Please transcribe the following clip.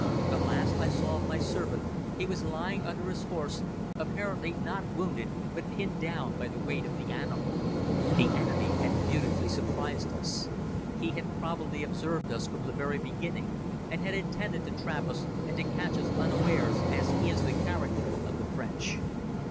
The last I saw of my servant, he was lying under his horse, apparently not wounded, but pinned down by the weight of the animal. The enemy had beautifully surprised us. He had probably observed us from the very beginning and had intended to trap us and to catch us unawares as is the character of the French.